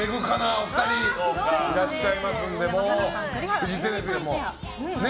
お二人いらっしゃいますのでフジテレビはね。